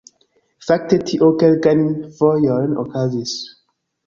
Fakte tio kelkajn fojojn okazis